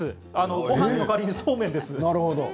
ごはんの代わりにそうめんです。